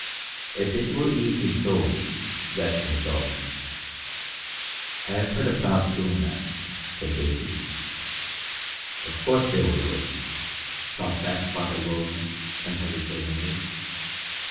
If it will ease his soul, let him go." "I have heard of dogs doing that," said David. "Of course they will do it," shot back Father Roland unhesitatingly.